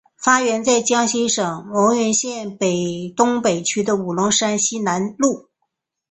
发源在江西省婺源县东北部的五龙山西南麓。